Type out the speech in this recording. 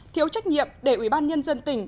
thiếu trách nhiệm để ủy ban nhân dân tỉnh